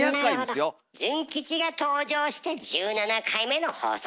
ズン吉が登場して１７回目の放送です。